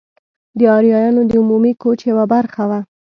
د آریایانو د عمومي کوچ یوه برخه وه.